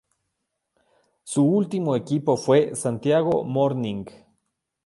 Su último equipo fue Santiago Morning.